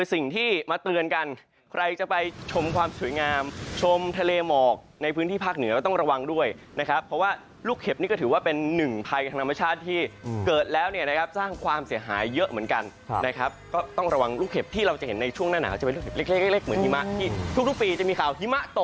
สิ่งที่มาเตือนกันใครจะไปชมความสวยงามชมทะเลหมอกในพื้นที่ภาคเหนือก็ต้องระวังด้วยนะครับเพราะว่าลูกเห็บนี่ก็ถือว่าเป็นหนึ่งภัยทางธรรมชาติที่เกิดแล้วเนี่ยนะครับสร้างความเสียหายเยอะเหมือนกันนะครับก็ต้องระวังลูกเห็บที่เราจะเห็นในช่วงหน้าหนาวจะเป็นลูกเล็กเล็กเหมือนหิมะที่ทุกปีจะมีข่าวหิมะต